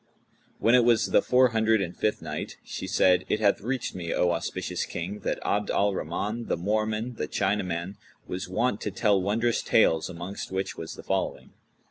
When it was the Four Hundred and Fifth Night, She said, It hath reached me, O auspicious King, that Abd al Rahman, the Moorman, the Chinaman, was wont to tell wondrous tales amongst which was the following.